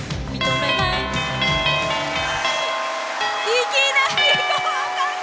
いきなり合格！